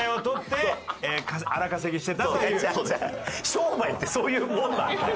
商売ってそういうもんなんだよ。